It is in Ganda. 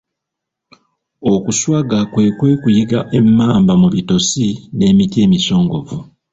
Okuswaga kwe kwe kuyigga emmamba mu ttosi n'emiti emisongovu